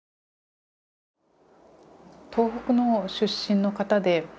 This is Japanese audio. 東北の出身の方で。